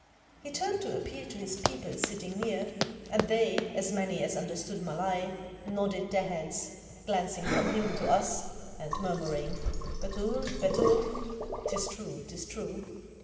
He turned to appeal to his people sitting near, and they, as many as understood Malay, nodded their heads, 569 ISLANDS OF THE PACIFIC glancing from him to us, and murmuring "Betul, hetiU!" ['T is true, 't is true.